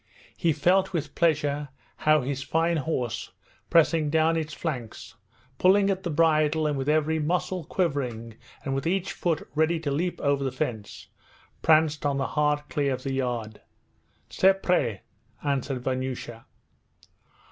He felt with pleasure how his fine horse, pressing down its flanks, pulling at the bridle and with every muscle quivering and with each foot ready to leap over the fence, pranced on the hard clay of the yard. 'C'est prÍt,' answered Vanyusha.